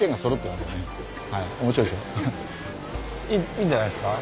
いいんじゃないですか？